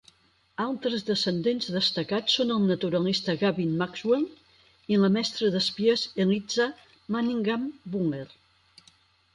Altres descendents destacats són el naturalista Gavin Maxwell i la mestra d'espies Eliza Manningham-Buller.